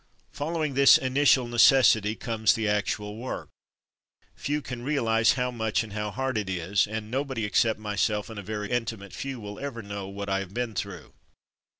Following this initial necessity comes the A Crowded Existence 203 actual work; few can realize how much and how hard it is, and nobody except myself and a very intimate few will ever know what I have been through.